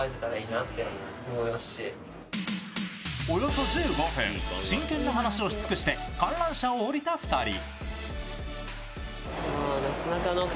およそ１５分、真剣な話をし尽くして観覧車を降りた２人。